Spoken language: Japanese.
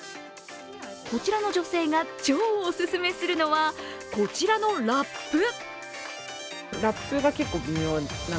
こちらの女性が超お勧めするのは、こちらのラップ。